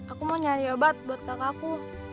aku mau nyari obat buat kakakku